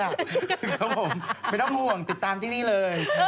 ครับผมไม่ต้องห่วงติดตามที่นี่เลย